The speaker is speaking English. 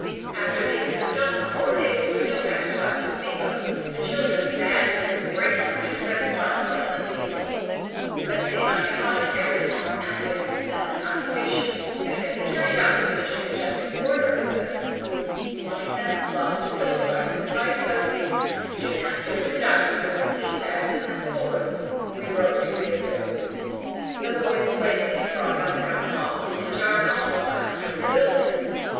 After being cooped up for four days with no exercise to speak of, the children's badness is breaking out in red spots, like the measles. Betsy and I have thought of every form of active and innocent occupation that could be carried on in such a congested quarter as this: blind man's buff and pillow fights and hide and go seek, gymnastics in the dining room, and bean bags in the school room. (We broke two windows.) The boys played leapfrog up and down the hall, and jarred all the plaster in the building.